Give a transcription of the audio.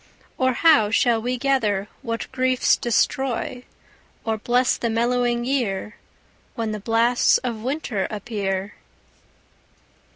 Or how shall we gather what griefs destroy, Or bless the mellowing year, When the blasts of winter appear?